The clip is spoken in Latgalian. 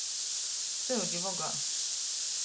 Syudi vogā.